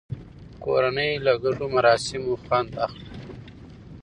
کورنۍ له ګډو مراسمو خوند اخلي